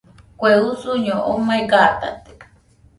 Kue usuño omai gatate